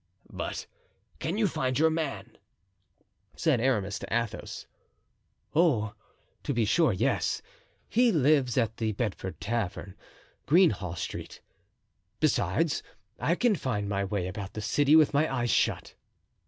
"But can you find your man?" said Aramis to Athos. "Oh! to be sure, yes. He lives at the Bedford Tavern, Greenhall Street. Besides, I can find my way about the city with my eyes shut."